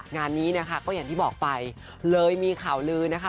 งานนี้นะคะก็อย่างที่บอกไปเลยมีข่าวลือนะคะ